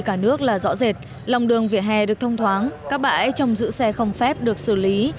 cả nước là rõ rệt lòng đường vỉa hè được thông thoáng các bãi trong giữ xe không phép được xử lý